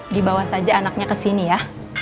dibawa saja anaknya kesini ya